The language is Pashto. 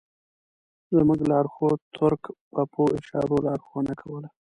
زموږ لارښود تُرک به په اشارو لارښوونه کوله.